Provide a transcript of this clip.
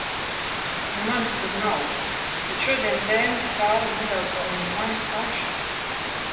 Jo manis tur nav. Bet šodien tēma skāra nedaudz arī mani pašu.